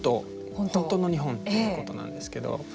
本当の日本ということなんですけど。